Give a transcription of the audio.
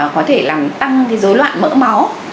có thể là tăng cái dối loạn mỡ máu